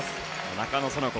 中野園子